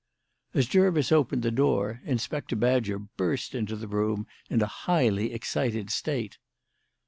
As Jervis opened the door, Inspector Badger burst into the room in a highly excited state.